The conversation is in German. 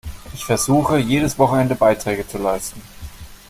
Ich versuche, jedes Wochenende Beiträge zu leisten.